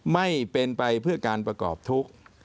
ไม่เป็นไปเพื่อการประกอบทุกข์